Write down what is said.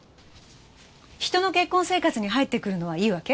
人の結婚生活に入ってくるのはいいわけ？